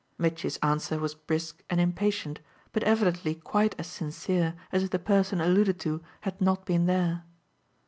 Mitchy's answer was brisk and impatient, but evidently quite as sincere as if the person alluded to had not been there.